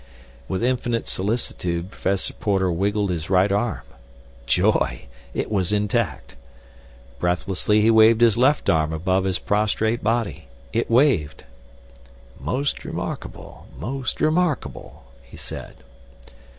With infinite solicitude Professor Porter wiggled his right arm—joy! It was intact. Breathlessly he waved his left arm above his prostrate body—it waved! "Most remarkable, most remarkable," he said.